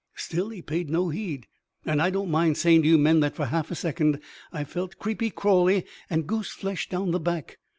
Still he paid no heed; and I don't mind saying to you men that, for half a second, I felt creepy crawly and goose flesh down the back.